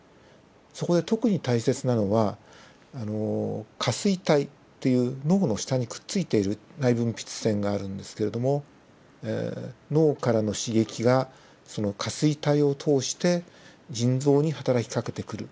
そこで特に大切なのは下垂体っていう脳の下にくっついている内分泌腺があるんですけれども脳からの刺激がその下垂体を通して腎臓にはたらきかけてくる。